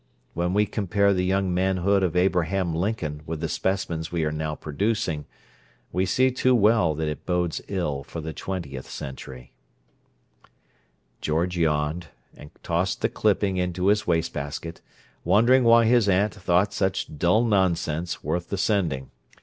When we compare the young manhood of Abraham Lincoln with the specimens we are now producing, we see too well that it bodes ill for the twentieth century— George yawned, and tossed the clipping into his waste basket, wondering why his aunt thought such dull nonsense worth the sending.